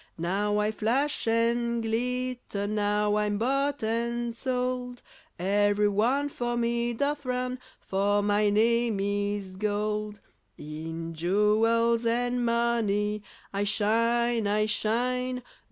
Now I flash and glitter, Now I'm bought and sold, Everyone for me doth run, For my name is Gold. In jewels and money I shine, I shine.